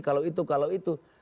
kalau itu kalau itu